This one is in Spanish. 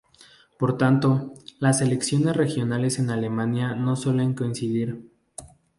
Por lo tanto, las elecciones regionales en Alemania no suelen coincidir.